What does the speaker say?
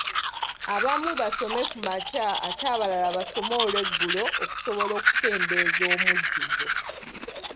Abamu basome kumakya ate abalala basome olweggulo okusobola okukendeeza omujjuzo.